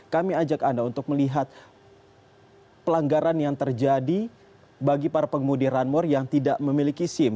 kami ajak anda untuk melihat pelanggaran yang terjadi bagi para pengemudi run more yang tidak memiliki sim